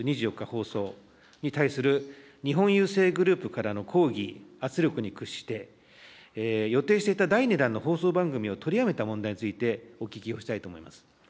放送に対する日本郵政グループからの抗議、圧力に屈して、予定していた第２弾の放送番組を取りやめた問題についてお聞きをしたいと思います。